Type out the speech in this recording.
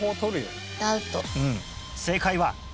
正解は